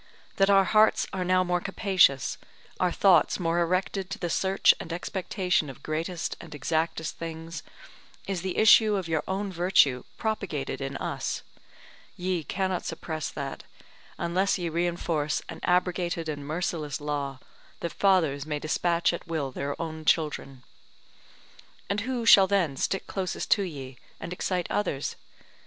That our hearts are now more capacious, our thoughts more erected to the search and expectation of greatest and exactest things, is the issue of your own virtue propagated in us; ye cannot suppress that, unless ye reinforce an abrogated and merciless law, that fathers may dispatch at will their own children. And who shall then stick closest to ye, and excite others?